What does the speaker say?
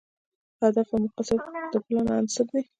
اهداف او مقاصد د پلان عناصر دي.